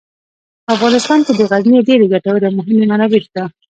په افغانستان کې د غزني ډیرې ګټورې او مهمې منابع شته.